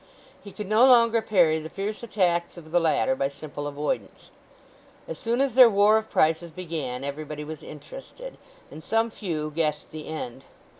He could no longer parry the fierce attacks of the latter by simple avoidance. As soon as their war of prices began everybody was interested, and some few guessed the end.